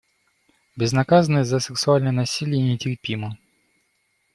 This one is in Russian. Безнаказанность за сексуальное насилие нетерпима.